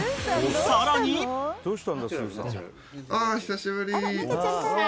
［さらに］あっ久しぶり。